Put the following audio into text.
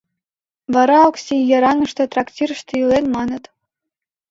Вара Окси Яраҥыште трактирыште илен, маныт...